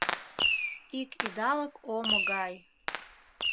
Ик идалык омо гай